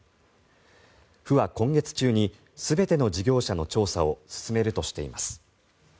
府は今月中に全ての事業者の調査を進めるとしています。